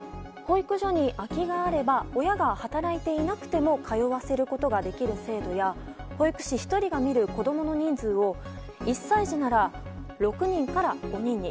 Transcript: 続いて、保育サービスをより充実させるために保育所に空きがあれば親が働いていなくても通わせることができる制度や保育士１人が見る子供の人数を１歳児なら６人から５人に。